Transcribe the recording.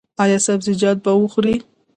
ایا سبزیجات به خورئ؟